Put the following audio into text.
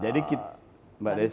jadi mbak des